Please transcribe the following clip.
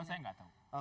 oh saya nggak tahu